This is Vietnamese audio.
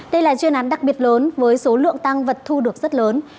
đây là chuyên án đặc biệt lớn với số lượng tăng vật thu được rất lớn